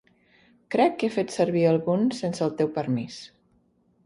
Crec que he fet servir algun sense el teu permís.